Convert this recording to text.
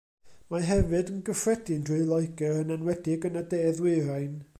Mae hefyd yn gyffredin drwy Loegr yn enwedig yn y De Ddwyrain.